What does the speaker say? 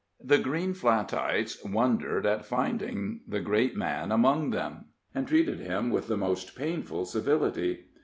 The Green Flatites wondered at finding the great man among them, and treated him with the most painful civility.